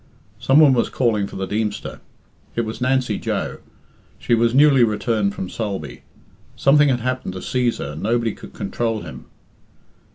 Some one was calling for the Deemster. It was Nancy Joe. She was newly returned from Sulby. Something had happened to Cæsar, and nobody could control him.